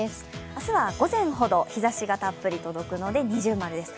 明日は午前ほど日ざしがたっぷり届くので、◎です。